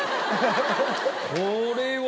これは？